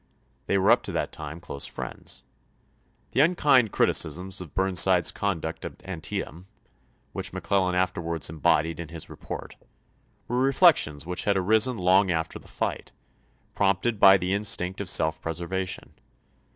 They were up to that time close friends. The un kind criticisms of Burnside's conduct at Antietam, which McClellan afterwards embodied in his re port, were reflections which had arisen long after the fight, prompted by the instinct of self preserva tion.